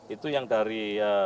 itu yang dari